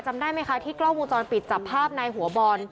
จำได้ไหมคะที่กล้องวงจรปิดจับภาพนายหัวบอล